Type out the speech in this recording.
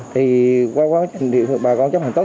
thì qua quá trình điều hợp bà con chấp hành tốt